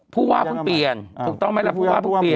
ผู้ว่าเพิ่งเปลี่ยนถูกต้องไหมล่ะผู้ว่าเพิ่งเปลี่ยน